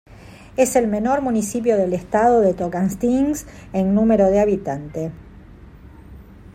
Es el menor municipio del estado del Tocantins en número de habitantes.